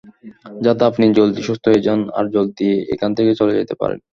যাতে আপনি জলদি সুস্থ হয়ে যান, আর জলদি এখান থেকে চলে যেতে পারেন।